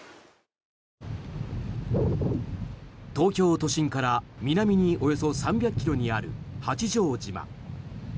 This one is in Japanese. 東京都心から南におよそ３００ｋｍにある八丈島。